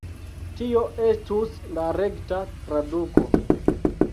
Tio estus la rekta traduko